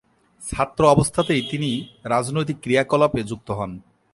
ছাত্রাবস্থাতেই তিনি রাজনৈতিক ক্রিয়াকলাপে যুক্ত হন।